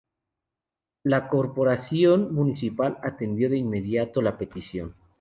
La Corporación Municipal atendió de inmediato la petición.